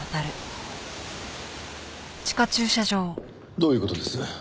どういう事です？